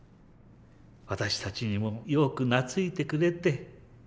私たちにもよく懐いてくれて。